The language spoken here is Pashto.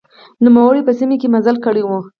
نوموړي په سیمه کې مزل کړی و.